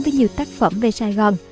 với nhiều tác phẩm về sài gòn